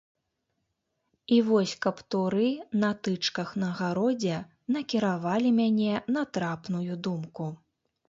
І вось каптуры на тычках на гародзе накіравалі мяне на трапную думку.